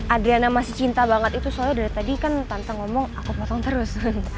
adriana masih cinta banget itu soalnya dari tadi kan tantang ngomong aku potong terus